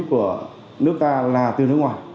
của nước ta là từ nước ngoài